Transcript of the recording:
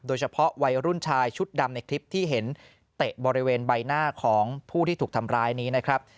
โดยเฉพาะวัยรุ่นชายชุดดำในคลิปที่เห็นเตะบริเวณใบหน้าของผู้ที่ถูกทำร้ายนี้นะครับ